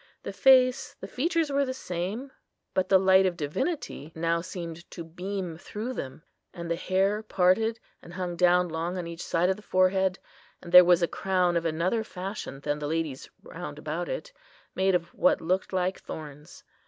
The face, the features were the same; but the light of Divinity now seemed to beam through them, and the hair parted, and hung down long on each side of the forehead; and there was a crown of another fashion than the Lady's round about it, made of what looked like thorns.